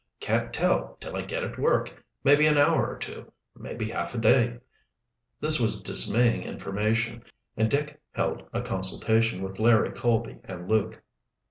"Can't tell till I get at work. Maybe an hour or two, maybe half a day." This was dismaying information, and Dick held a consultation with Larry Colby and Luke.